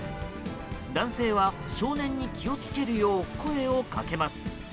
男性は少年に気を付けるよう声を掛けます。